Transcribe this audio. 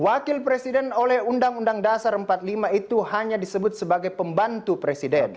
wakil presiden oleh undang undang dasar empat puluh lima itu hanya disebut sebagai pembantu presiden